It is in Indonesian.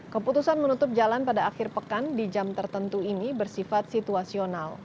keputusan menutup jalan pada akhir pekan di jam tertentu ini bersifat situasional